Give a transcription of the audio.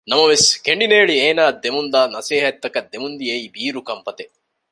ނަމަވެސް ކެނޑިނޭޅި އޭނާއަށް ދެމުންދާ ނަސޭހަތްތަކަށް ދެމުންދިޔައީ ބީރު ކަންފަތެއް